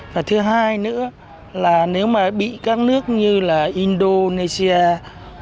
và thứ hai nữa là nếu mà bị các nước như là indonesia hoặc là mã định